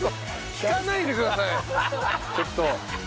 引かないでくださいちょっと。